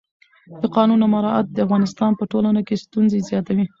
د قانون نه مراعت د افغانستان په ټولنه کې ستونزې زیاتوي